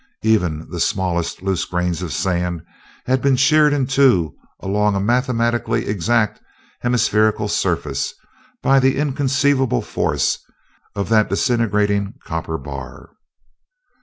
Even the smallest loose grains of sand had been sheared in two along a mathematically exact hemispherical surface by the inconceivable force of the disintegrating copper bar.